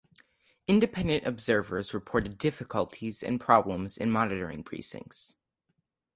Independent observers reported difficulties and problems in monitoring precincts.